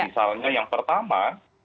misalnya yang pertama